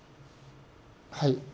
はい。